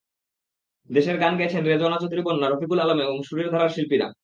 দেশের গান গেয়েছেন রেজওয়ানা চৌধুরী বন্যা, রফিকুল আলম এবং সুরের ধারার শিল্পীরা।